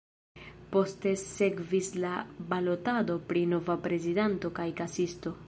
Poste sekvis la balotado pri nova prezidanto kaj kasisto.